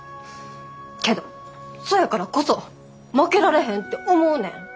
けどそやからこそ負けられへんって思うねん。